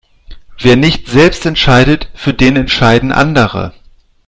Wer nicht selbst entscheidet, für den entscheiden andere.